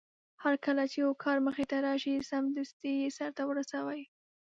هرکله چې يو کار مخې ته راشي سمدستي يې سرته ورسوي.